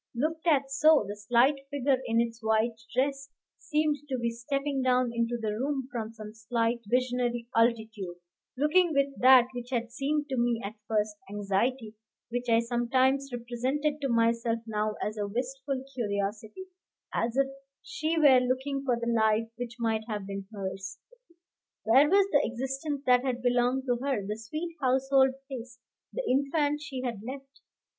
Looked at so, the slight figure in its white dress seemed to be stepping down into the room from some slight visionary altitude, looking with that which had seemed to me at first anxiety, which I sometimes represented to myself now as a wistful curiosity, as if she were looking for the life which might have been hers. Where was the existence that had belonged to her, the sweet household place, the infant she had left?